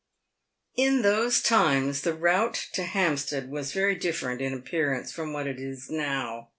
In those times the route to Hampstead was very different in ap pearance from what it is now.